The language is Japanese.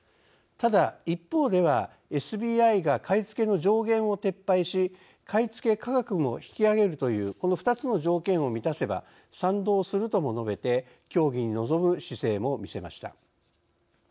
ただ、一方ではＳＢＩが買い付けの上限を撤廃し買い付け価格も引き上げるというこの２つの条件を満たせば「賛同」するとも述べて協議に臨む姿勢も見せました。